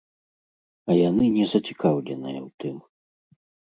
А яны не зацікаўленыя ў тым.